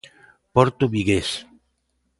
Porto vigués.